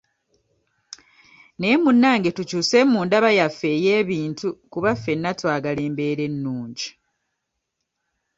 Naye munnange tukyuseemu mu ndaba yaffe ey'ebintu kuba ffena twagala embeera ennungi.